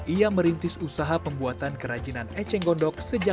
ia merintis usaha pembuatan kerajinan eceng gondok sejak seribu sembilan ratus sembilan puluh tujuh